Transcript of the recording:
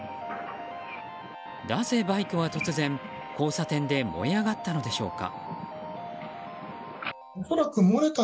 なぜバイクは突然、交差点で燃え上がったのでしょうか。